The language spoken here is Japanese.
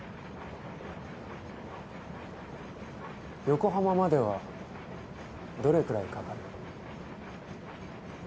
横浜まではどれくらいかかる？